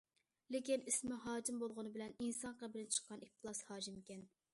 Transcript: لېكىن ئىسمى ھاجىم بولغىنى بىلەن ئىنسان قېلىپىدىن چىققان ئىپلاس ھاجىمكەن.